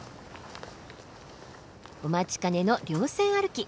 お待ちかねの稜線歩き。